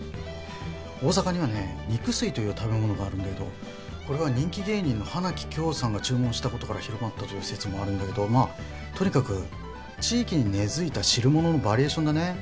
大阪にはね肉吸いという食べ物があるんだけどこれは人気芸人の花紀京さんが注文したことから広まったという説もあるんだけどとにかく地域に根付いた汁物のバリエーションだね。